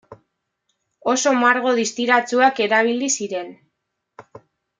Oso margo distiratsuak erabili ziren.